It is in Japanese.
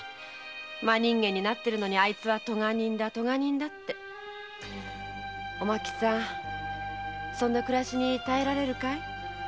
真人間になっているのに「あいつはとが人だ」って。おまきさんはそんな暮らしに耐えられる？